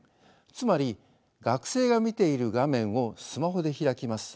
つまり学生が見ている画面をスマホで開きます。